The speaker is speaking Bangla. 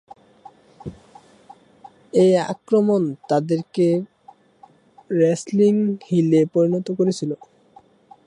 এই আক্রমণ তাদেরকে রেসলিং হিলে পরিণত করেছিল।